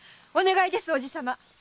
お願いです叔父さま。